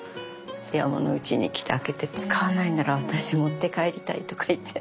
山のうちに来て開けて「使わないなら私持って帰りたい」とか言って。